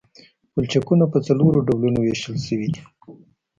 پلچکونه په څلورو ډولونو ویشل شوي دي